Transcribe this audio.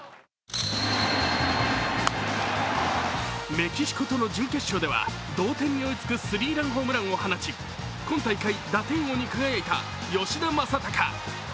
メキシコとの準決勝では同点に追いつくスリーランホームランを放ち今大会打点王に輝いた吉田正尚。